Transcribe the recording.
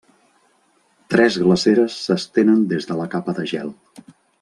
Tres glaceres s'estenen des de la capa de gel.